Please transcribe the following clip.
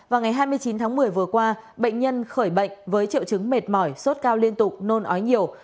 vào ngày hai mươi chín tháng một mươi vừa qua bệnh nhân khỏi bệnh với triệu chứng mệt mỏi sốt cao liên tục nôn ói nhiều